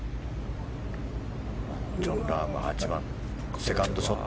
ジョン・ラーム８番、セカンドショット。